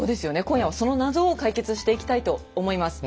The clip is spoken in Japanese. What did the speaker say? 今夜はその謎を解決していきたいと思います。